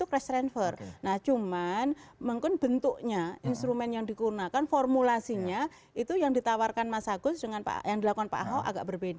kalau itu emang gara gara mas budi